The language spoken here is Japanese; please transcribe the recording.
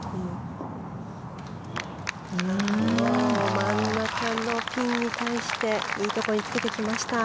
真ん中のピンに対していいところにつけてきました。